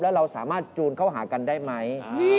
แล้วเราสามารถจูนเข้าหากันได้ไหม